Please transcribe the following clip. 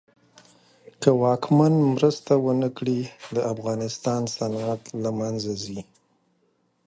که واکمن مرسته ونه کړي د افغانستان صنعت له منځ ځي.